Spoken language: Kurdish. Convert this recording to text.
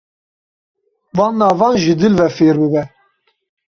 Van navan ji dil ve fêr bibe.